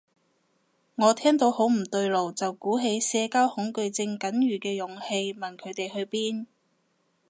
我聽到好唔對路，就鼓起社交恐懼症僅餘嘅勇氣問佢哋去邊